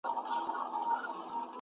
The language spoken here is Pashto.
توماس لا هم له ننګونو سره مخ دی.